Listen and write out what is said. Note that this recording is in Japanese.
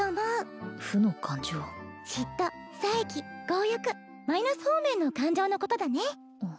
強欲マイナス方面の感情のことだね